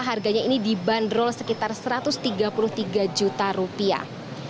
harganya ini dibanderol sekitar satu ratus tiga puluh tiga juta rupiah